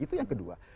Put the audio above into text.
itu yang kedua